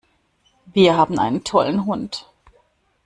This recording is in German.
Wir haben einen tollen Hund!